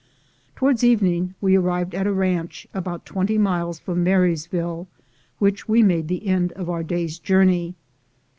Towards evening we arrived at a ranch, about twenty miles from Marysville, which we made the end of our day's journey.